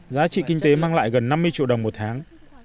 giá trị kinh tế mang lại gần năm mươi triệu đồng một tháng